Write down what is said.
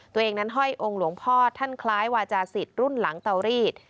ตัวเองนั้นห้อยองค์หลวงพ่อท่านคล้ายวาจาศิษย์รุ่นหลังเตารีด